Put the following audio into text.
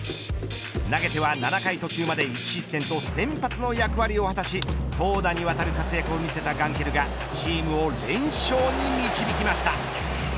投げては７回途中まで１失点と先発の役割を果たし投打にわたる活躍を見せたガンケルがチームを連勝に導きました。